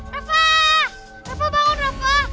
rafa bangun rafa